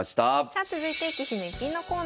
さあ続いて「棋士の逸品」のコーナーです。